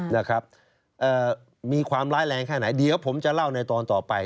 นะครับเอ่อมีความร้ายแรงแค่ไหนเดี๋ยวผมจะเล่าในตอนต่อไป